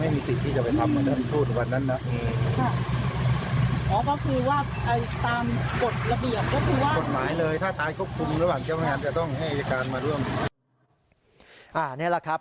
นี่แหละครับ